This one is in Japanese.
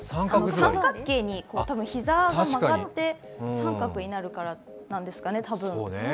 三角形に膝が曲がって三角になるからですかね、多分。